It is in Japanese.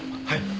はい。